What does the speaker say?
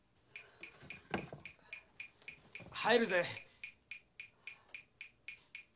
・入るぜ。